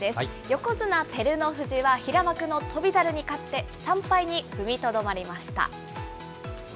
横綱・照ノ富士は、平幕の翔猿に勝って３敗に踏みとどまりました。